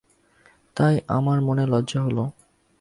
তাই আমার মনে লজ্জা হল।